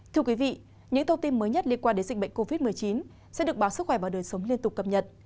thưa quý vị những thông tin mới nhất liên quan đến dịch bệnh covid một mươi chín sẽ được báo sức khỏe và đời sống liên tục cập nhật